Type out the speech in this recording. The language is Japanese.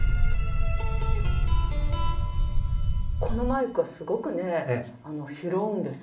このマイクはすごくね拾うんです。